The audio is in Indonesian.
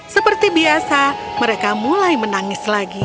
seperti biasa mereka mulai menangis lagi